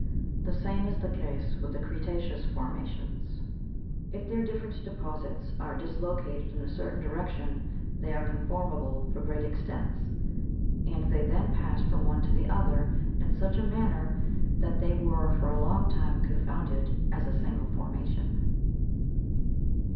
The same is the case with the creta'ceous formations ; if their different deposits are dislocated in a certain direction, they are conformable for great extents, and they then pass from one to the other in such a manner that they were for a long time confounded as a single formation.